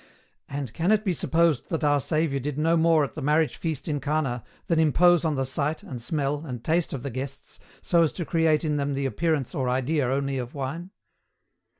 And, can it be supposed that our Saviour did no more at the marriage feast in Cana than impose on the sight, and smell, and taste of the guests, so as to create in them the appearance or idea only of wine?